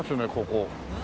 ここ。